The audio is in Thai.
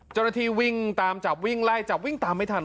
จรฐีวิ่งตามจับวิ่งไล่จับวิ่งตามไม่ทัน